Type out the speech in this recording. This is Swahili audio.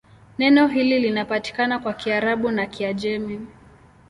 Neno hili linapatikana kwa Kiarabu na Kiajemi.